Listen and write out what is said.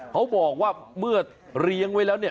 เขาบอกว่าเมื่อเลี้ยงไว้แล้วเนี่ย